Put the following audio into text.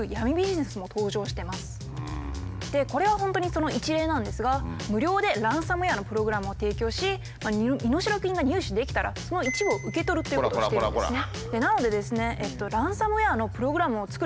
これは本当にその一例なんですが無料でランサムウエアのプログラムを提供し身代金が入手できたらその一部を受け取るということをしてるんですね。